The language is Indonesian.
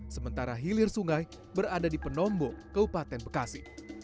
sementara hilir sungai berada di penombo keupatan bekasi